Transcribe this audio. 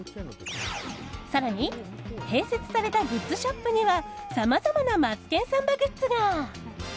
更に併設されたグッズショップにはさまざまな「マツケンサンバ」グッズが。